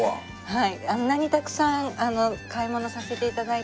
はい。